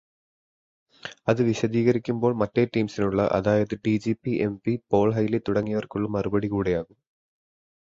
അതു വിശദീകരിക്കുമ്പോൾ മറ്റേ റ്റീംസിനുള്ള, അതായത് ഡിജിപി, എം.പി, പോൾ ഹൈലി തുടങ്ങിയവർക്കുള്ള മറുപടി കൂടി ആകും.